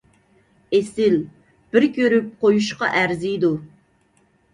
ئېسىل! بىر كۆرۈپ قويۇشقا ئەرزىيدۇ.